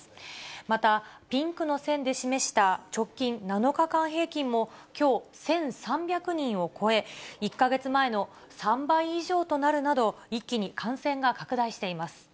また、ピンクの線で示した直近７日間平均も、きょう、１３００人を超え、１か月前の３倍以上となるなど、一気に感染が拡大しています。